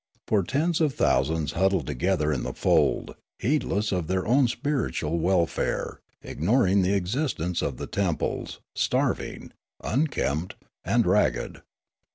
For tens of thousands huddled together in the fold, heedless of their own spiritual welfare, ignoring the existence of the temples, starving, unkempt, and ragged.